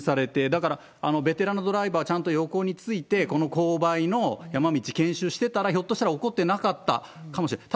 だから、ベテランのドライバー、ちゃんと横について、この勾配の山道研修してたら、ひょっとしたら起こってなかったかもしれない。